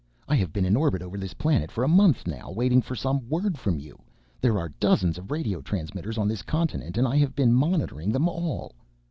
"I have been in orbit over this planet for a month now, waiting for some word from you. There are dozens of radio transmitters on this continent and I have been monitoring them all."